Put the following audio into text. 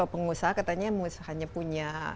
pengusaha katanya hanya punya